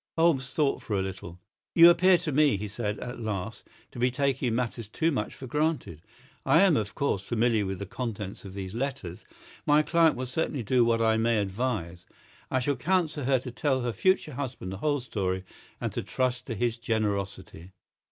Holmes thought for a little. "You appear to me," he said, at last, "to be taking matters too much for granted. I am, of course, familiar with the contents of these letters. My client will certainly do what I may advise. I shall counsel her to tell her future husband the whole story and to trust to his generosity."